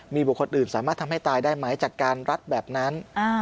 มีบุคคลอื่นสามารถทำให้ตายได้ไหมจากการรัดแบบนั้น